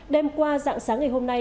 đêm qua dạng sáng ngày hôm nay